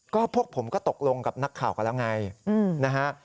ก็พวกผมก็ตกลงกับนักข่าวกันแล้วไงนะฮะ